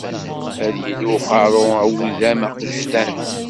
Ad yili uqerru awudam agejdan.